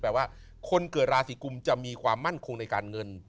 ว่าคนเกิดราศีกุมจะมีความมั่นคงในการเงิน